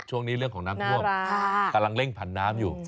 ช่วงนี้เรื่องของน้ำท่วมกำลังเร่งผันน้ำอยู่